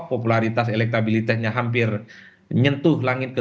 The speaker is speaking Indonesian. popularitas dan elektabilitasnya hampir nyentuh langit ke tujuh